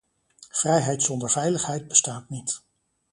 Vrijheid zonder veiligheid bestaat niet.